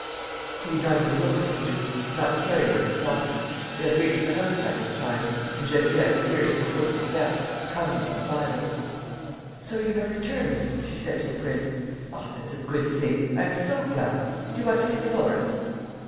He did not even look at Leduc, not caring what he thought. They had reached the house by this time; and Geneviève appeared at the foot of the steps, comely and smiling: "So you have returned?" she said to the prince. "Ah, that's a good thing! I am so glad. ... Do you want to see Dolores?"